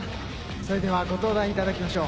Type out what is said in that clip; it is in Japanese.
それではご登壇いただきましょう。